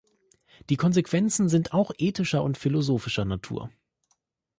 Die Konsequenzen sind auch ethischer und philosophischer Natur.